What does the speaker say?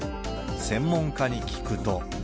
専門家に聞くと。